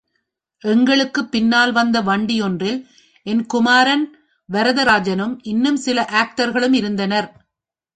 எங்களுக்குப் பின்னால் வந்த வண்டி ஒன்றில் என் குமாரன் வரதராஜனும் இன்னும் சில ஆக்டர்களும் இருந்தனர்.